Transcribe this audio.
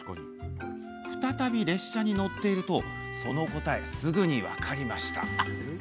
再び列車に乗っているとその答えがすぐに分かりました。